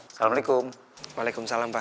assalamualaikum waalaikumsalam pak